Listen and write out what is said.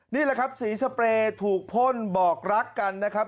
นี่ล่ะครับเซอร์ไพรส์ถูกพ่นบอกรักกันนะครับ